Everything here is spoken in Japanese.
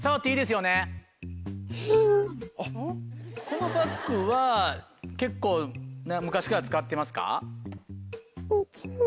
このバッグは結構昔から使ってますか？